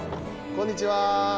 こんにちは。